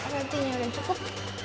rotinya udah cukup